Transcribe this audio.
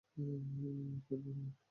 পেট ভরে খান!